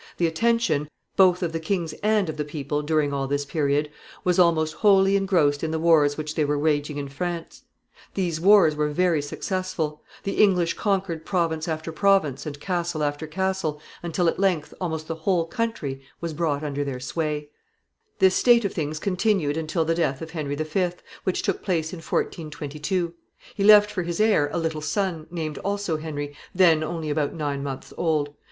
The attention, both of the kings and of the people, during all this period, was almost wholly engrossed in the wars which they were waging in France. These wars were very successful. The English conquered province after province and castle after castle, until at length almost the whole country was brought under their sway. [Sidenote: 1422.] [Sidenote: Birth and accession of Henry VI.] This state of things continued until the death of Henry V., which took place in 1422. He left for his heir a little son, named also Henry, then only about nine months old.